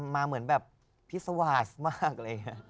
มาเหมือนแบบพิศวาสมากเลย